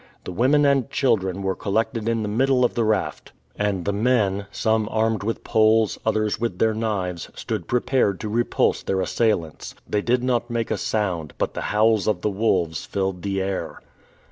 The women and children were collected in the middle of the raft, and the men, some armed with poles, others with their knives, stood prepared to repulse their assailants. They did not make a sound, but the howls of the wolves filled the air.